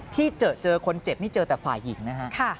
ที่เจอคนเจ็บนี่เจอแต่ฝ่ายหญิงนะฮะ